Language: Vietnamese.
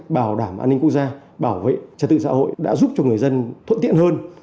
bảo đảm an ninh quốc gia bảo vệ trật tự xã hội đã giúp cho người dân thuận tiện hơn